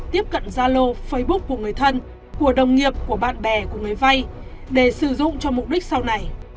tiếp cận gia lô facebook của người thân của đồng nghiệp của bạn bè của người vay để sử dụng cho mục đích sau này